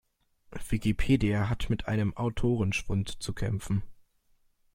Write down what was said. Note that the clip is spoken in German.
Wikipedia hat mit einem Autorenschwund zu kämpfen.